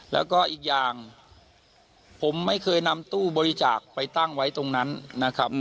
แล้วก็อีกอย่างผมไม่เคยนำตู้บริจาคไปตั้งไว้ตรงนั้นนะครับ